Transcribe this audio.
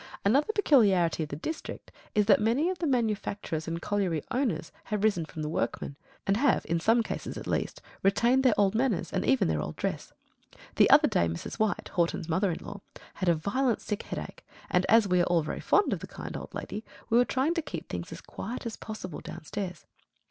Another peculiarity of the district is that many of the manufacturers and colliery owners have risen from the workmen, and have (in some cases at least) retained their old manners and even their old dress. The other day Mrs. White, Horton's mother in law, had a violent sick headache, and, as we are all very fond of the kind old lady, we were trying to keep things as quiet as possible down stairs.